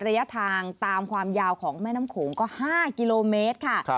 ระยะทางตามความยาวของแม่น้ำโขงก็๕กิโลเมตรค่ะ